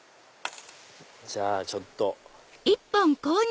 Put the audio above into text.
じゃあちょっと。